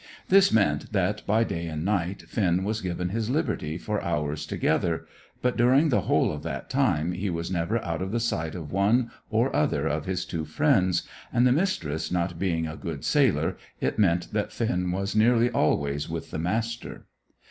This meant that, by day and night, Finn was given his liberty for hours together; but during the whole of that time he was never out of the sight of one or other of his two friends, and, the Mistress not being a good sailor, it meant that Finn was nearly always with the Master.